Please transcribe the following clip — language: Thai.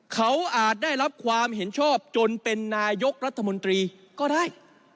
เขาอาจได้รับความเห็นชอบจนเป็นนายกรัฐมนตรีก็ได้